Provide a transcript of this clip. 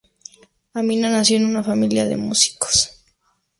Amina nació en una familia de músicos.